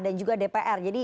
dan juga departemen indonesia